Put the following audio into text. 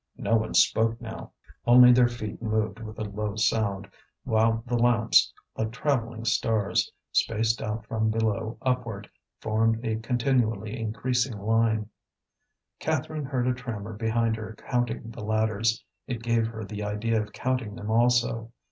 No one spoke now, only their feet moved with a low sound; while the lamps, like travelling stars, spaced out from below upward, formed a continually increasing line. Catherine heard a trammer behind her counting the ladders. It gave her the idea of counting them also.